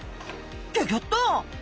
ギョギョッと！